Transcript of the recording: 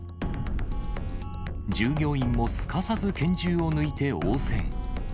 従業員もすかさず拳銃を抜いて応戦。